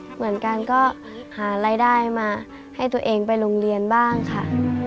เหมือนกันก็หารายได้มาให้ตัวเองไปโรงเรียนบ้างค่ะ